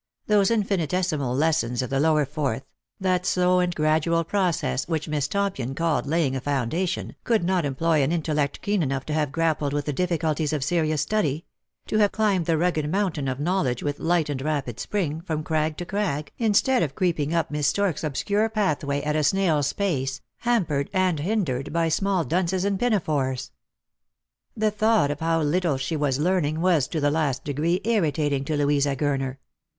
Those infinitesimal lessons of the lower fourth, that slow and gradual process which Miss Tompion called laying a foundation, could not employ an intellect keen enough to have grappled with the difficulties of serious study; to have climbed the ragged mountain of knowledge with light and rapid spring, from crag to crag, instead of creeping up Miss Storks's obscure pathway at a snail's pace, hampered and hindered by small dunces in pinafores. The thought of how little she was learning was to the last degree irritating to Louisa Gurner.